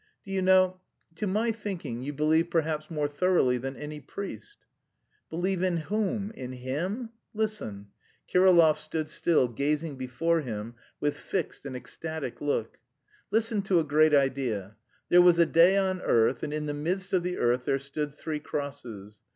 "Do you know, to my thinking, you believe perhaps more thoroughly than any priest." "Believe in whom? In Him? Listen." Kirillov stood still, gazing before him with fixed and ecstatic look. "Listen to a great idea: there was a day on earth, and in the midst of the earth there stood three crosses.